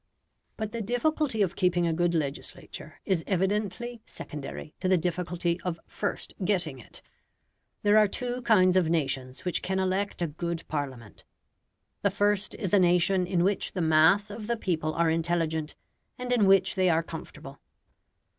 But the difficulty of keeping a good legislature, is evidently secondary to the difficulty of first getting it. There are two kinds of nations which can elect a good Parliament. The first is a nation in which the mass of the people are intelligent, and in which they are comfortable.